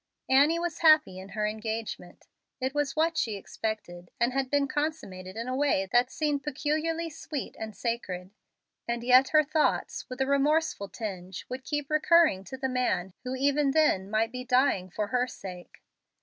Annie was happy in her engagement. It was what she expected, and had been consummated in a way that seemed peculiarly sweet and sacred; and yet her thoughts, with a remorseful tinge, would keep recurring to the man who even then might be dying for her sake.